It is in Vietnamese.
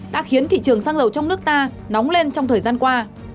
đã khiến thị trường xăng dầu trong nước ta nóng lên trong thời gian qua